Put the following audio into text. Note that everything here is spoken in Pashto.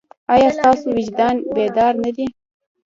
ایا ستاسو وجدان بیدار نه دی؟